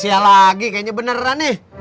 gue sial lagi kayaknya beneran nih